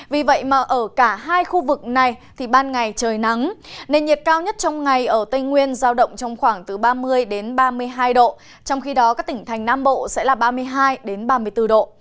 vì vậy mà ở cả hai khu vực này thì ban ngày trời nắng nền nhiệt cao nhất trong ngày ở tây nguyên giao động trong khoảng từ ba mươi ba mươi hai độ trong khi đó các tỉnh thành nam bộ sẽ là ba mươi hai ba mươi bốn độ